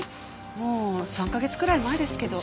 もう３カ月くらい前ですけど。